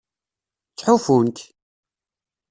Ttḥufun-k.